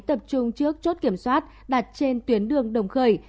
tập trung trước chốt kiểm soát đặt trên tuyến đường đồng khởi